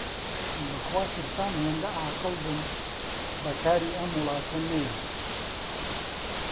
بە خوا ترسام هێندە عاقڵ بم، بە کاری ئەم وڵاتە نەیەم!